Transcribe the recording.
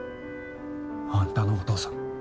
あんたのお父さん